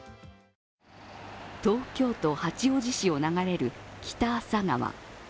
東京都八王子市を流れる北浅川。